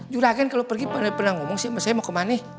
juragan kalau pergi pernah ngomong sama saya mau ke mana